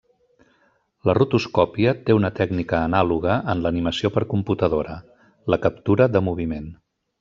La rotoscòpia té una tècnica anàloga en l'animació per computadora: la captura de moviment.